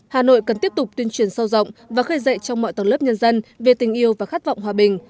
hà nội cần tiếp tục tuyên truyền sâu rộng và khơi dậy trong mọi tầng lớp nhân dân về tình yêu và khát vọng hòa bình